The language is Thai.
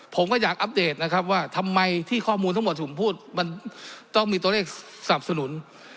ผมก็อยากอัปเดตนะครับว่าทำไมที่ข้อมูลทั้งหมดที่ผมพูดมันต้องมีตัวเลขสนับสนุน